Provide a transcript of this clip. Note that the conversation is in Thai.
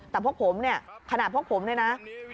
แต่พวกผมขณะพวกผมด้วยนะ